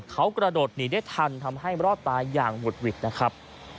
เขากระโดดหนีได้ทันทำให้รอดตายอย่างหุดหวิดนะครับ